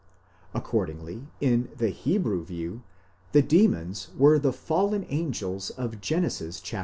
Accordingly, in the Hebrew view, the demons were the fallen angels of Gen. vi.